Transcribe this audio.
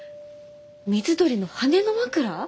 水鳥の羽根の枕！？